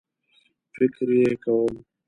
فکر یې کوم